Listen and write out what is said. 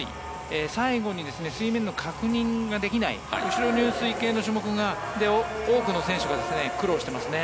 最後に水面の確認ができない後ろ入水系の種目で多くの選手が苦労してますね。